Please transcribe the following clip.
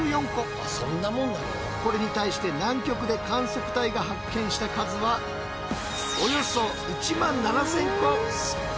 これに対して南極で観測隊が発見した数はおよそ１万７，０００個。